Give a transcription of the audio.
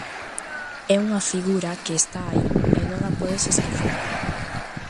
É unha figura que está aí e non a podes esquecer.